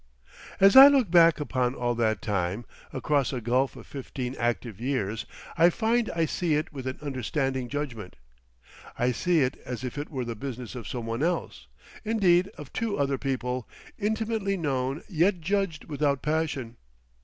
As I look back upon all that time—across a gulf of fifteen active years—I find I see it with an understanding judgment. I see it as if it were the business of some one else—indeed of two other people—intimately known yet judged without passion.